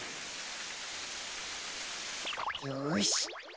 よし。